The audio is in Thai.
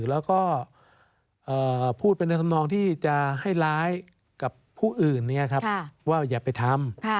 แล้วก็พูดแบบดันทำนองที่จะให้ร้ายกับผู้อื่นเนี่ยว่าอย่าไปทำ